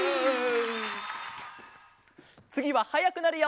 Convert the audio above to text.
つぎははやくなるよ！